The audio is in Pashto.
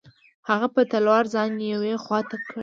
هغه په تلوار ځان یوې خوا ته کړ.